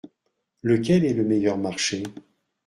Lequel est le meilleur marché ?